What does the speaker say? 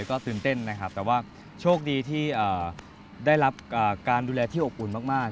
ก็ตื่นเต้นนะครับแต่ว่าโชคดีที่ได้รับการดูแลที่อบอุ่นมาก